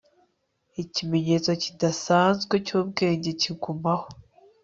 Ikimenyetso kidasanzwe cyubwenge kigumaho